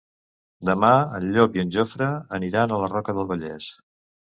Demà en Llop i en Jofre aniran a la Roca del Vallès.